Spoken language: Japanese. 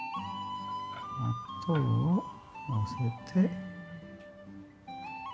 納豆をのせて。